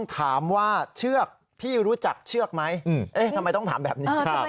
ถามว่าเชือกพี่รู้จักเชือกไหมทำไมต้องถามแบบนี้